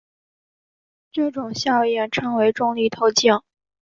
这种效应称为重力透镜。